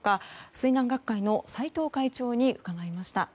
水難学会の斎藤会長に伺いました。